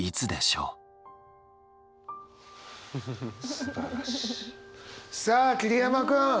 すばらしいさあ桐山君。